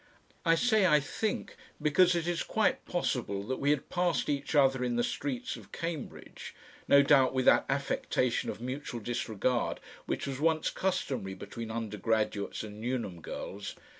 I say I think because it is quite possible that we had passed each other in the streets of Cambridge, no doubt with that affectation of mutual disregard which was once customary between undergraduates and Newnham girls.